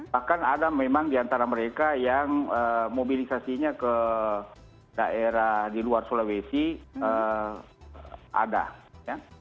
bahkan ada memang di antara mereka yang mobilisasinya ke daerah di luar sulawesi ada ya